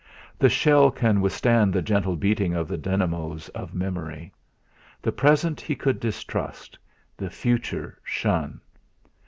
The shell can withstand the gentle beating of the dynamos of memory. The present he should distrust; the future shun.